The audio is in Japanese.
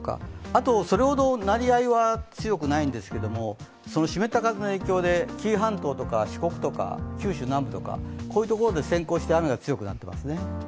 あと、それほど強くないんですけど湿った風の影響で紀伊半島とか四国とか九州南部とか、こういうところで先行して雨が強くなっています。